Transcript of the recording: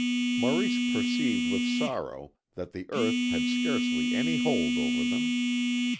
Maurice perceived with sorrow that the earth had scarcely any hold over them.